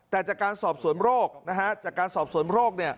แต่จากการสอบสวนโรคจากการสอบสวนโรค